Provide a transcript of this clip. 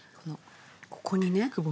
ここにね。